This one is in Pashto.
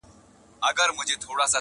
داسي هم نور ورباندي سته نومونه-